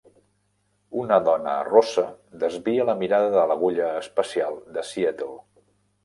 Una dona rossa desvia la mirada de l'agulla espacial de Seattle.